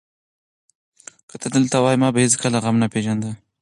که ته دلته وای، ما به هېڅکله غم نه پېژانده.